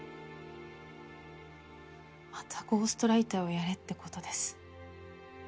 またゴーストライターをやれって事です。